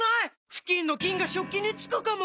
フキンの菌が食器につくかも⁉